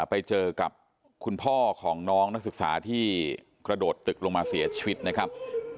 ไปเจอกับคุณพ่อของน้องนักศึกษาที่กระโดดตึกลงมาเสียชีวิตนะครับ